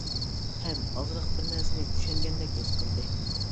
ھەم ئازراق بىر نەرسىنى چۈشەنگەندەك ھېس قىلدى.